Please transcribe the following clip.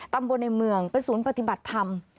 ตำบลในเมืองเป็นศูนย์ปฏิบัติธรรม